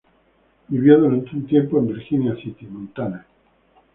Vivió durante un tiempo en Virginia City, Montana.